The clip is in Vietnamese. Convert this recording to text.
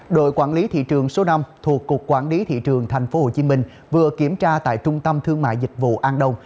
đội quản lý thị trường số năm thuộc cục quản lý thị trường tp hcm vừa kiểm tra tại trung tâm thương mại dịch vụ an đông